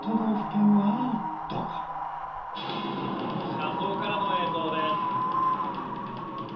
車窓からの映像です。